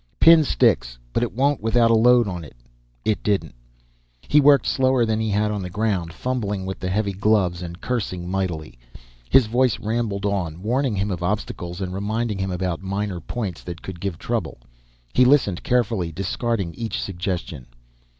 "Pin sticks, but it won't without a load on it." It didn't. He worked slower than he had on the ground, fumbling with the heavy gloves and cursing mightily. His voice rambled on, warning him of obstacles and reminding him about minor points that could give trouble. He listened carefully, discarding each suggestion.